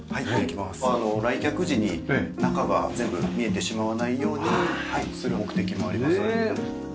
来客時に中が全部見えてしまわないようにする目的もあります。